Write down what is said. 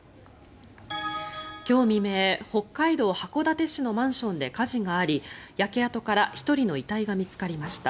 今日未明、北海道函館市のマンションで火事があり焼け跡から１人の遺体が見つかりました。